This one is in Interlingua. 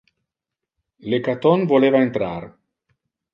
Le catton voleva entrar.